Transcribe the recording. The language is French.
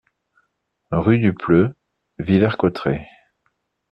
Rue du Pleu, Villers-Cotterêts